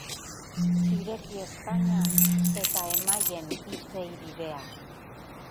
Ireki ezpainak eta emaien hitzei bidea.